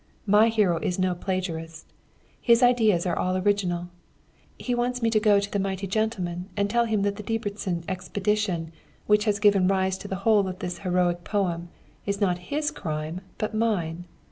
my hero is no plagiarist! His ideas are all original. He wants me to go to the mighty gentleman and tell him that the Debreczin expedition, which has given rise to the whole of this heroic poem, is not his 'crime,' but mine.